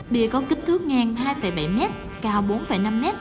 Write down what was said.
bìa có kích thước ngang hai bảy m cao bốn năm m